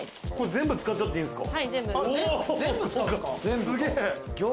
全部使っちゃっていいんですか？